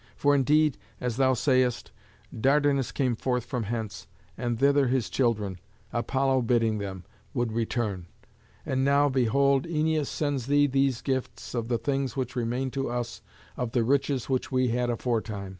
For indeed, as thou sayest, Dardanus came forth from hence, and thither his children, Apollo bidding them, would return. And now, behold, Æneas sends thee these gifts of the things which remain to us of the riches which we had aforetime.